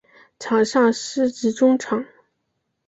场上司职中场。